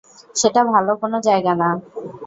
সেটা ভালো কোন জায়গা না।